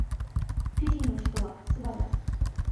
フィジーの首都はスバである